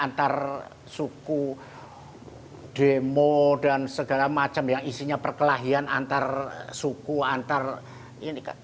antar suku demo dan segala macam yang isinya perkelahian antar suku antar ini kan